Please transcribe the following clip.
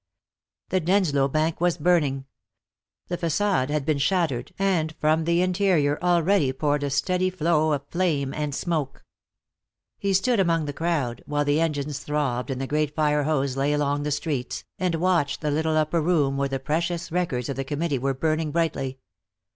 The Denslow Bank was burning. The facade had been shattered and from the interior already poured a steady flow of flame and smoke. He stood among the crowd, while the engines throbbed and the great fire hose lay along the streets, and watched the little upper room where the precious records of the Committee were burning brightly.